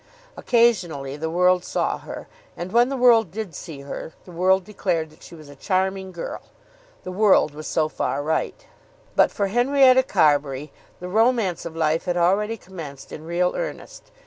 Occasionally the world saw her, and when the world did see her the world declared that she was a charming girl. The world was so far right. But for Henrietta Carbury the romance of life had already commenced in real earnest.